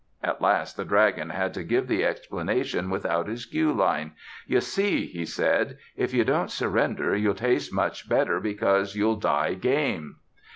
At last the dragon had to give the explanation without his cue line. "You see," he said, "if you don't surrender you'll taste better because you'll die game."